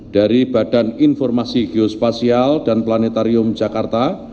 dari badan informasi geospasial dan planetarium jakarta